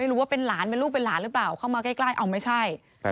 หรือว่าเป็นหลานเป็นลูกเป็นหลานหรือเปล่าเข้ามาใกล้เอาไม่ใช่